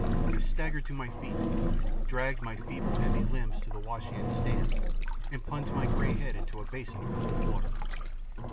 I staggered to my feet, dragged my feeble, heavy limbs to the washhand stand, and plunged my grey head into a basin of cold water.